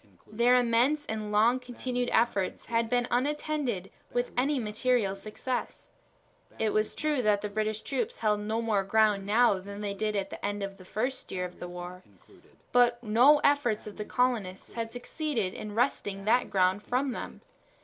Their immense and long continued efforts had been unattended with any material success. It was true that the British troops held no more ground now than they did at the end of the first year of the war, but no efforts of the colonists had succeeded in wresting that ground from them.